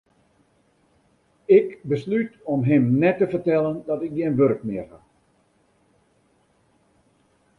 Ik beslút om him net te fertellen dat ik gjin wurk mear ha.